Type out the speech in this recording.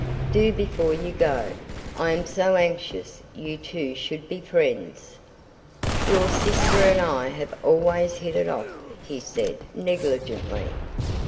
"Do, before you go. I am so anxious you two should be friends." "Your sister and I have always hit it off," he said negligently.